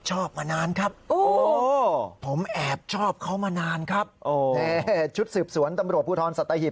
เจ้ามานานครับชุดสืบสวนตำรวจภูทรสัตยาหิบ